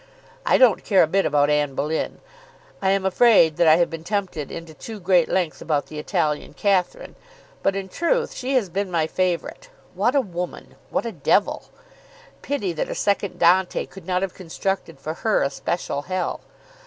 I don't care a bit about Anne Boleyne. I am afraid that I have been tempted into too great length about the Italian Catherine; but in truth she has been my favourite. What a woman! What a devil! Pity that a second Dante could not have constructed for her a special hell.